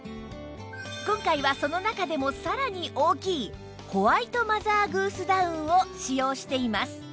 今回はその中でもさらに大きいホワイトマザーグースダウンを使用しています